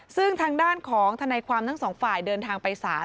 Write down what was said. ซึ่งทางด้านของทนายความทั้งสองฝ่ายเดินทางไปศาล